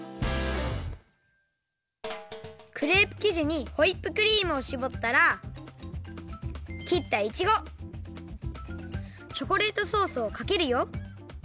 クレープきじにホイップクリームをしぼったらきったいちごチョコレートソースをかけるよ。